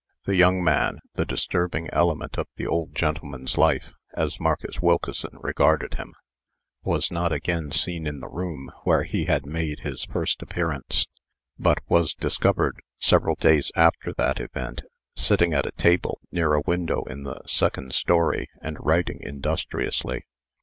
The young man the disturbing element of the old gentleman's life, as Marcus Wilkeson regarded him was not again seen in the room where he had made his first appearance, but was discovered, several days after that event, sitting at a table near a window in the second story, and writing industriously.